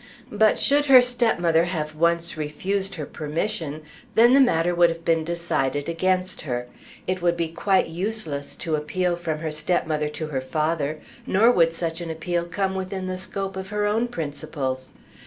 But should her stepmother have once refused her permission, then the matter would have been decided against her. It would be quite useless to appeal from her stepmother to her father; nor would such an appeal come within the scope of her own principles.